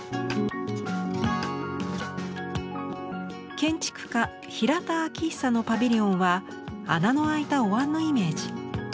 建築家平田晃久のパビリオンは穴のあいたお椀のイメージ。